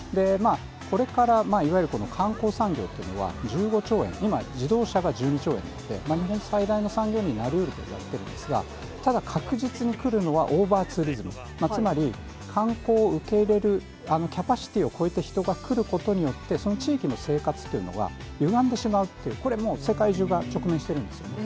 これからいわゆるこの観光産業っていうのは１５兆円、今、自動車が１２兆円なんで、日本最大の産業になりうるわけですが、ただ、確実にくるのは、オーバーツーリズム、つまり観光を受け入れるキャパシティを超えて人が来ることによって、その地域の生活というのがゆがんでしまうという、これ、もう世界中が直面してるんですね。